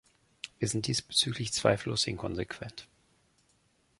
Wir sind diesbezüglich zweifellos inkonsequent.